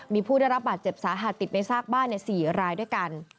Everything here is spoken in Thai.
มีผู้ได้รับบาดเจ็บสาหัสติดในซากบ้าน๔รายด้วยกัน